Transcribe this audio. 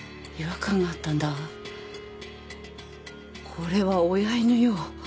これは親犬よ。